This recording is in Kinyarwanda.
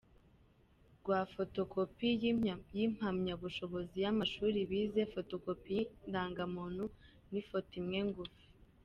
rw, fotokopi y’impamyabushobozi yamashuli bize, fotokopi y’irangamuntu, n’ifoto imwe ngufi.